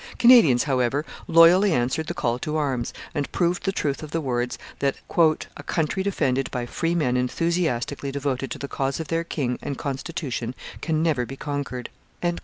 Canadians, however, loyally answered the call to arms, and proved the truth of the words that 'a country defended by free men enthusiastically devoted to the cause of their king and constitution can never be conquered.'